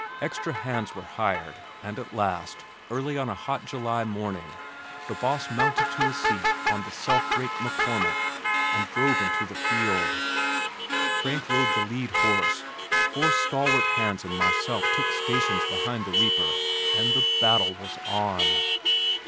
Extra hands were hired, and at last, early on a hot July morning, the boss mounted to his seat on the self rake "McCormick" and drove into the field. Frank rode the lead horse, four stalwart hands and myself took "stations" behind the reaper and the battle was on!